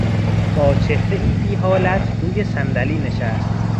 با چهرهای بیحالت روی صندلی نشست.